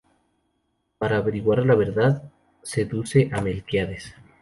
Para averiguar la verdad seduce a Melquíades.